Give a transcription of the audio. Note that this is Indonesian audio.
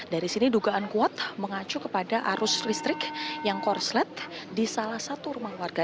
dari sini dugaan kuat mengacu kepada arus listrik yang korslet di salah satu rumah warga